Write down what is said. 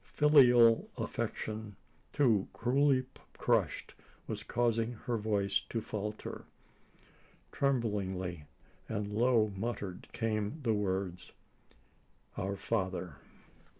Filial affection, too cruelly crushed, was causing her voice to falter. Tremblingly and low muttered came the words: "Our father